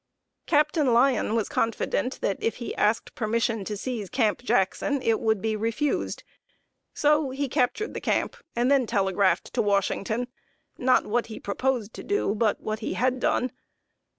Captain Lyon was confident that if he asked permission to seize Camp Jackson, it would be refused. So he captured the camp, and then telegraphed to Washington not what he proposed to do, but what he had done.